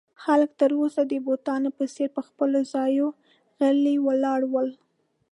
خلک تر اوسه د بتانو په څېر پر خپلو ځایو غلي ولاړ ول.